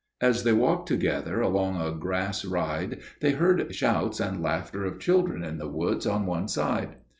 As they walked together along a grass ride they heard shouts and laughter of children in the woods on one side.